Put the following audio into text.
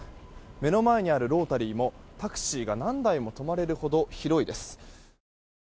目の前にあるロータリーもタクシーが何台も止まれるほど広いです。